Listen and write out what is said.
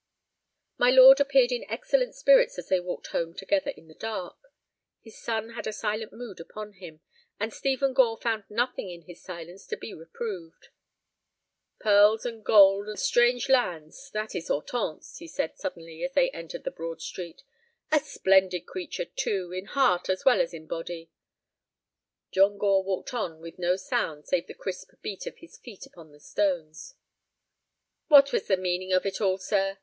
My lord appeared in excellent spirits as they walked home together in the dark. His son had a silent mood upon him, and Stephen Gore found nothing in his silence to be reproved. "Pearls and gold and strange lands. That is Hortense," he said, suddenly, as they entered the broad street; "a splendid creature, too—in heart as well as in body." John Gore walked on with no sound save the crisp beat of his feet upon the stones. "What was the meaning of it all, sir?"